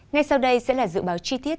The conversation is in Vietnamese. ngay sau đây sẽ là dự báo chi tiết